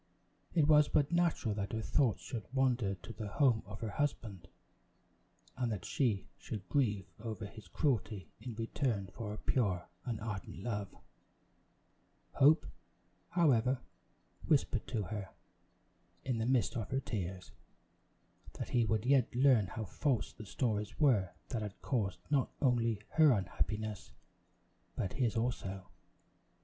It was but natural that her thoughts should wander to the home of her husband, and that she should grieve over his cruelty in return for her pure and ardent love. Hope, however, whispered to her, in the midst of her tears, that he would yet learn how false the stories were that had caused not only her unhappiness, but his also.